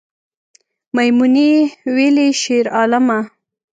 میمونۍ ویلې شیرعالمه